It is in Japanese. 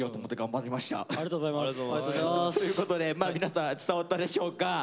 さあということで皆さん伝わったでしょうか。